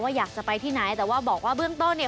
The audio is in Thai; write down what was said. อยากจะไปที่ไหนแต่ว่าบอกว่าเบื้องต้นเนี่ย